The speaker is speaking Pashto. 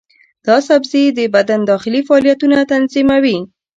دا سبزی د بدن داخلي فعالیتونه تنظیموي.